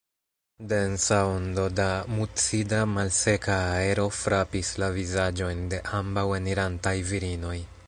Densa ondo da mucida, malseka aero frapis la vizaĝojn de ambaŭ enirantaj virinoj.